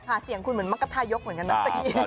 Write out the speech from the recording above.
ค่ะเสียงคุณเหมือนมักกระท่ายกเหมือนกันนะ